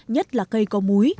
nhất là cây có múi